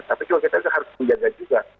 tapi juga kita harus menjaga juga